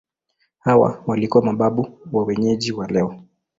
Hawa walikuwa mababu wa wenyeji wa leo.